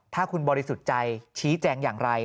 ถ้าคุณบริสุทธิ์ใจชี้แจงอย่างไร